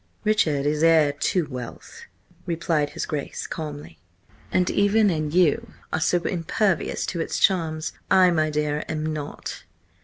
"Richard is heir to wealth," replied his Grace calmly. "And even an you are so impervious to its charms, I, my dear, am not.